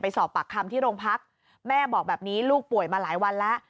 สอบปากคำที่โรงพักแม่บอกแบบนี้ลูกป่วยมาหลายวันแล้ว